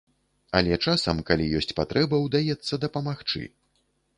Але часам, калі ёсць патрэба, удаецца дапамагчы.